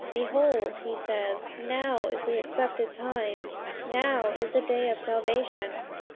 "Behold," He says, "now is the accepted time, now is the day of salvation."